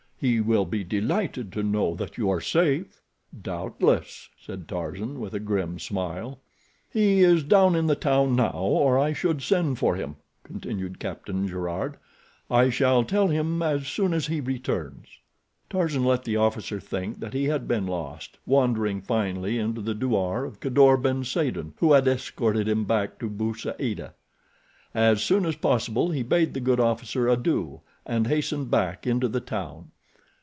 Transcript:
He will be delighted to know that you are safe." "Doubtless," said Tarzan, with a grim smile. "He is down in the town now, or I should send for him," continued Captain Gerard. "I shall tell him as soon as he returns." Tarzan let the officer think that he had been lost, wandering finally into the douar of Kadour ben Saden, who had escorted him back to Bou Saada. As soon as possible he bade the good officer adieu, and hastened back into the town.